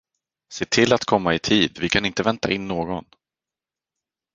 Se till att komma i tid, vi kan inte vänta in någon!